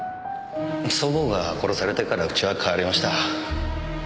祖母が殺されてからうちは変わりました。